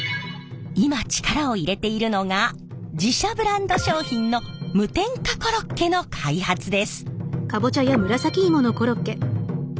今力を入れているのが自社ブランド商品の無添加コロッケの開発です。